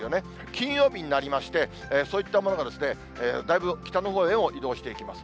金曜日になりまして、そういったものがだいぶ北のほうへも移動していきます。